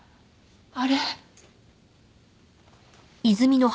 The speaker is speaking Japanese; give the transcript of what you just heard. あれ。